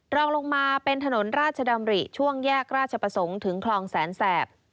รองลงมาเป็นถนนราชดำริช่วงแยกราชประสงค์ถึงคลองแสนแสบ